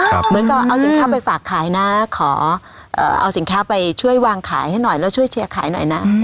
เหมือนกับเอาสินค้าไปฝากขายนะขอเอาสินค้าไปช่วยวางขายให้หน่อยแล้วช่วยเชียร์ขายหน่อยนะ